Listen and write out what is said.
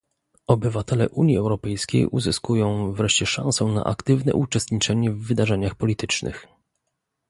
Obywatele Unii Europejskiej uzyskują wreszcie szansę na aktywne uczestniczenie w wydarzeniach politycznych